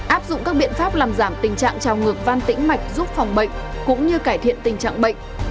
áp dụng các biện pháp làm giảm tình trạng trào ngược văn tĩnh mạch giúp phòng bệnh cũng như cải thiện tình trạng bệnh